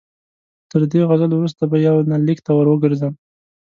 تر دې غزلو وروسته به یونلیک ته ور وګرځم.